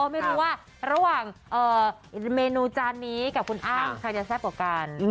ไม่รู้ว่าระหว่างเมนูจานนี้กับคุณอ้ำใครจะแซ่บกว่ากัน